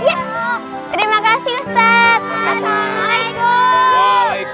terima kasih ustadz